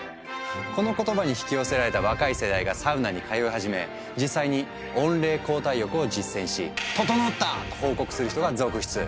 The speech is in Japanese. この言葉に引き寄せられた若い世代がサウナに通い始め実際に温冷交代浴を実践し「ととのった！」と報告する人が続出。